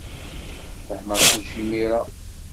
Fehmeɣ kullec imir-a.